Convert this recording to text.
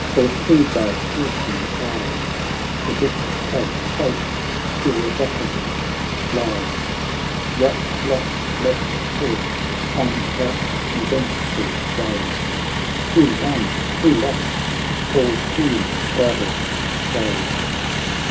for to thy piercing eyes The book of fate irrevocably lies j What lotsleapt forth, on that eventful day, Who won, who lost, all seeing Goddess, say